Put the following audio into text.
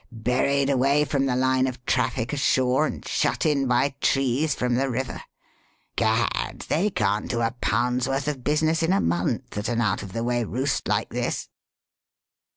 Buried away from the line of traffic ashore and shut in by trees from the river. Gad! they can't do a pound's worth of business in a month at an out of the way roost like this!"